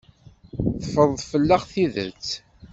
Teffreḍ fell-aɣ tidet.